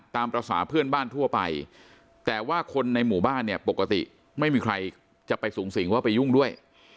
ตามภาษาเพื่อนบ้านทั่วไปแต่ว่าคนในหมู่บ้านเนี่ยปกติไม่มีใครจะไปสูงสิงว่าไปยุ่งด้วย